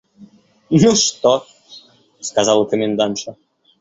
«Ну, что? – сказала комендантша.